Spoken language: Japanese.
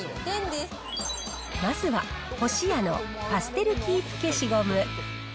まずは、ホシヤのパステルキープ消しゴム。